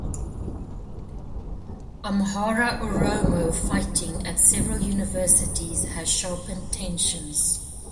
Amhara–Oromo fighting at several universities has sharpened tensions.